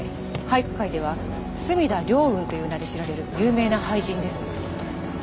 俳句界では墨田凌雲という名で知られる有名な俳人です。